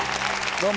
どうも。